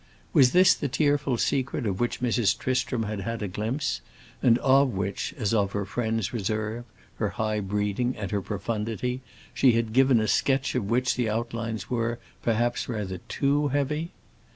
Was this the tearful secret of which Mrs. Tristram had had a glimpse, and of which, as of her friend's reserve, her high breeding, and her profundity, she had given a sketch of which the outlines were, perhaps, rather too heavy?